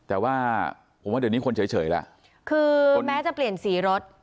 แต่ว่าผมว่าเดี๋ยวนี้คนเฉยล่ะคือแม้จะเปลี่ยนสีรถ